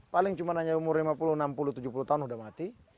paling cuma hanya umur lima puluh enam puluh tujuh puluh tahun sudah mati